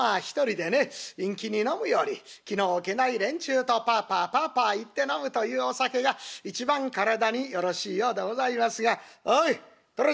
陰気に飲むより気の置けない連中とパパパパ言って飲むというお酒が一番体によろしいようでございますが。